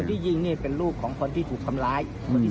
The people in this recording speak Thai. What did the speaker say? ที่ยิงนี่เป็นลูกของคนที่ถูกทำร้าย